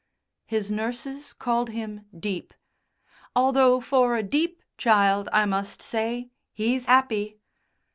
His nurses called him "deep," "although for a deep child I must say he's 'appy."